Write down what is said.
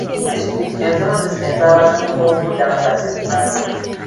Disitulikiti ezimu zisenza abanoonyiboobubudamu nga tezimanyi.